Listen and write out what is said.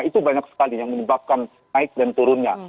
itu banyak sekali yang menyebabkan naik dan turunnya